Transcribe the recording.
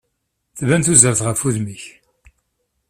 Tban tuzert ɣef udem-ik.